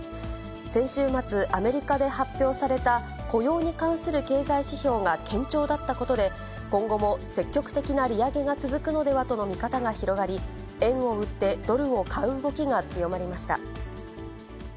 先週末、アメリカで発表された雇用に関する経済指標が堅調だったことで、今後も積極的な利上げが続くのではとの見方が広がり、円を売ってドルを買う動きが強まりました。